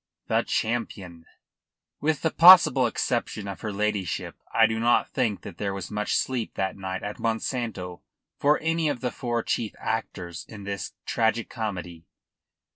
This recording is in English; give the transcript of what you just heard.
THE CHAMPION With the possible exception of her ladyship, I do not think that there was much sleep that night at Monsanto for any of the four chief actors in this tragicomedy.